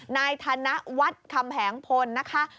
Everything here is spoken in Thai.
นายธนวัฒน์คำแหงพลนะคะ